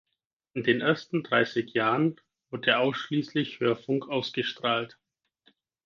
In den ersten dreißig Jahren wurde ausschließlich Hörfunk ausgestrahlt.